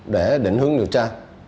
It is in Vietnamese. để định hướng điều tra